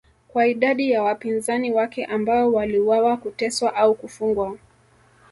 kwa idadi ya wapinzani wake ambao waliuawa kuteswa au kufungwa